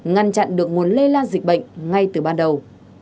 ngăn chặn được nguồn lây lan dịch bệnh ngay từ ban đầu